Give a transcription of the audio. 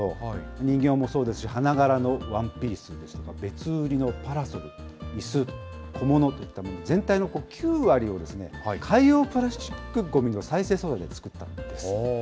人形もそうですし、花柄のワンピースですとか、別売りのパラソル、いす、小物といったもの、全体の９割を、海洋プラスチックごみの再生素材で作ったんです。